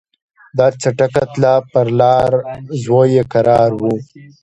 دا چټکه تله پر لار زوی یې کرار وو